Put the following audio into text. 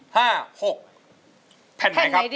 แผ่นไหนครับ